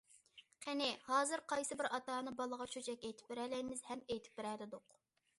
قېنى، ھازىر قايسى بىر ئاتا- ئانا بالىغا چۆچەك ئېيتىپ بېرەلەيمىز ھەم ئېيتىپ بېرەلىدۇق؟!